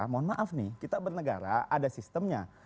mohon maaf nih kita bernegara ada sistemnya